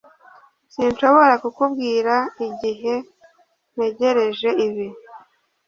sinshobora kukubwira igihe ntegereje ibi